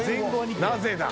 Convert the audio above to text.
なぜだ？